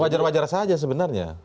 wajar wajar saja sebenarnya